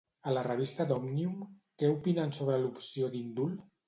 A la Revista d'Òmnium, què opinen sobre l'opció d'indult?